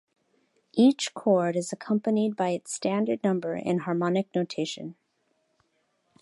Each chord is accompanied by its standard number in harmonic notation.